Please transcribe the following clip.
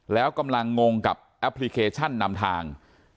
แล้วกำลังงงกับแอปพลิเคชันนำทาง